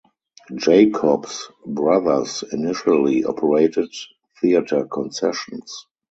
Jacobs Brothers initially operated theater concessions.